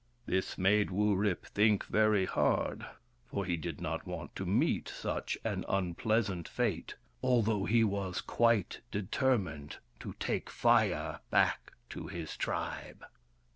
This made Wurip think very hard, for he did not want to meet such an unpleasant fate, although he was quite determined to take Fire back to his tribe.